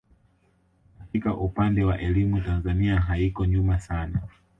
Katika upande wa elimu Tanzania haiko nyuma sana